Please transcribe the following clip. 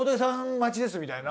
待ちですみたいな。